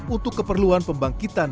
untuk keperluan pembangkitan